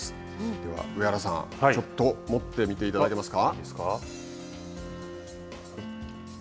では上原さんちょっと持ってみていただけますか。